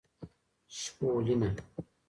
شپولینه